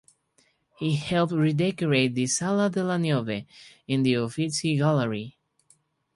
He helped redecorate the "Sala della Niobe" in the Uffizi Gallery.